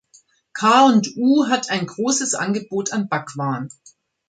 K&U hat ein großes Angebot an Backwaren.